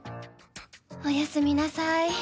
おやすみなさい。